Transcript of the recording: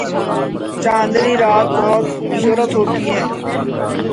چاندنی رات بہت خوبصورت ہوتی ہے۔